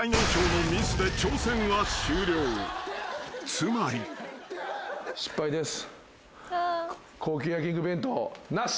［つまり］失敗です。